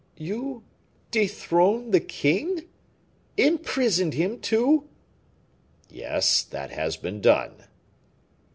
"You dethroned the king? imprisoned him, too?" "Yes, that has been done."